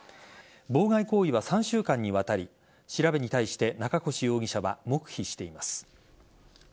妨害行為は３週間にわたり調べに対して中越容疑者は黙秘しています。